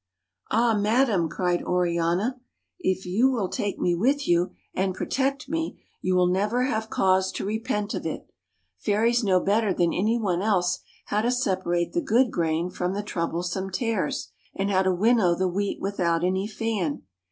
" Ah ! madame," cried Oriana, " if you will take me with 144 THE FAIRY SPINNING WHEEL you and protect me, you will never have cause to repent of it. Fairies know better than any one else how to separate the good grain from the troublesome tares, and how to winnow the wheat without any fan.